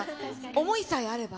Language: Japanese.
思いさえあれば。